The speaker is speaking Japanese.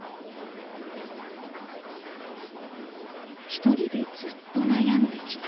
一人でずっと悩んできたこと。